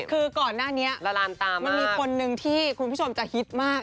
คือก่อนหน้านี้มันมีคนหนึ่งที่คุณผู้ชมจะฮิตมาก